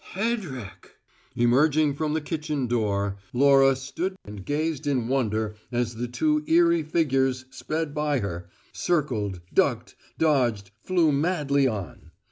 "Hedrick!" Emerging from the kitchen door, Laura stood and gazed in wonder as the two eerie figures sped by her, circled, ducked, dodged, flew madly on.